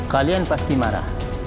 kalian pasti marah